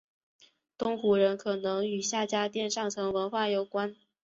东胡人可能与夏家店上层文化相关。